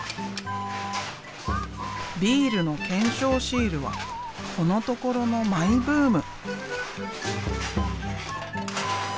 ビールの懸賞シールはこのところのマイブーム。